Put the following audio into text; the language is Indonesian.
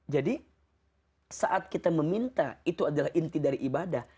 jadi saat kita meminta itu adalah inti dari ibadah